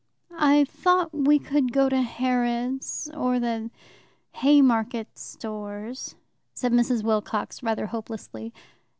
"I thought we would go to Harrod's or the Haymarket Stores," said Mrs. Wilcox rather hopelessly.